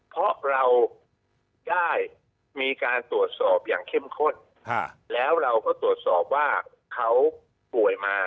เพราะเราได้มีการตรวจสอบอย่างเข้มข้นแล้วเราก็ตรวจสอบว่าเขาป่วยมา